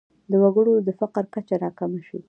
د وګړو د فقر کچه راکمه شي.